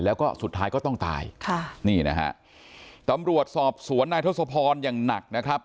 แล้วก็สุดท้ายก็ต้องตายค่ะนี่นะฮะตำรวจสอบสวนนายทศพรอย่างหนักนะครับ